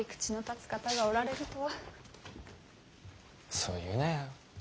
そう言うなよ。